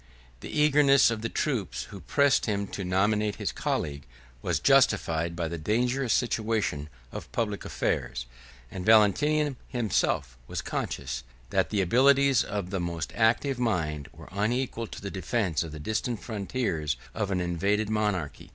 The eagerness of the troops, who pressed him to nominate his colleague, was justified by the dangerous situation of public affairs; and Valentinian himself was conscious, that the abilities of the most active mind were unequal to the defence of the distant frontiers of an invaded monarchy.